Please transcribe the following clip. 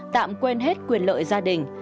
tạm quên hết quyền lợi gia đình